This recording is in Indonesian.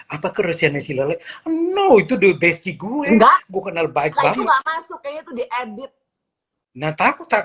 apa kerusiannya sila no itu the bestie gue enggak gua kenal baik banget masuknya itu diedit